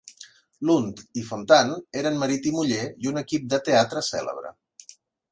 Lunt i Fontanne eren marit i muller i un equip de teatre cèlebre.